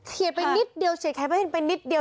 เฉียดไปนิดเดียวเฉียดแค่แค่ป้าพิมไปนิดเดียว